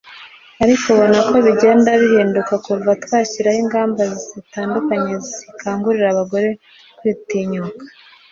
ariko ubona ko bigenda bihinduka kuva twashyiraho ingamba zitandukanye zigakangurira abagore kwitinyuka